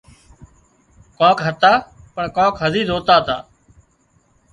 ڪانڪ هتا پڻ ڪانڪ هزي زوتا تا